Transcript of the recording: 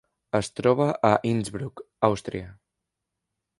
Es troba a Innsbruck, Àustria.